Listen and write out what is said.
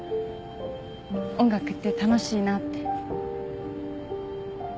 音楽って楽しいなって。